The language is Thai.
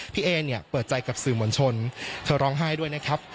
เอเนี่ยเปิดใจกับสื่อมวลชนเธอร้องไห้ด้วยนะครับ